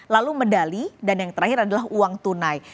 lalu medali dan yang terakhir adalah uang tunai